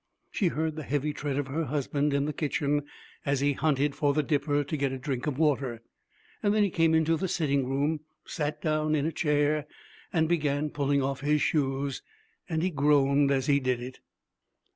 She heard the heavy tread of her husband in the kitchen, as he hunted for the dipper to get a drink of water. Then he came into the sitting room, sat down in a chair, and began pulling off his shoes. He groaned as he did it.